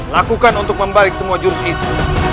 lakukan untuk membalik semua jurus itu